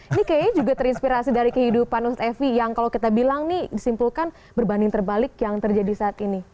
ini kayaknya juga terinspirasi dari kehidupan ustadz evi yang kalau kita bilang nih disimpulkan berbanding terbalik yang terjadi saat ini